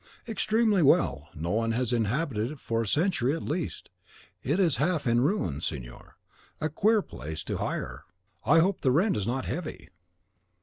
"'Extremely well; no one has inhabited it for a century at least; it is half in ruins, signor. A queer place to hire; I hope the rent is not heavy.